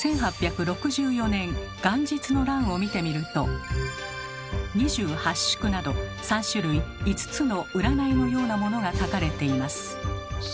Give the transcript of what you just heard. １８６４年元日の欄を見てみると「二十八宿」など３種類５つの占いのようなものが書かれています。